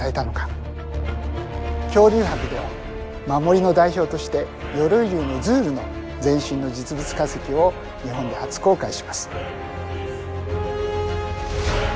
恐竜博では守りの代表として鎧竜のズールの全身の実物化石を日本で初公開します。